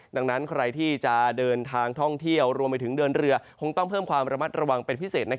ดังนั้นใครที่จะเดินทางท่องเที่ยวรวมไปถึงเดินเรือคงต้องเพิ่มความระมัดระวังเป็นพิเศษ